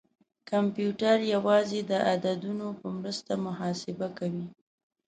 کمپیوټر یوازې د عددونو په مرسته محاسبه کوي.